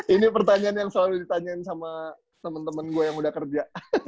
ini pertanyaan yang selalu ditanyain sama temen temen gue yang udah kerja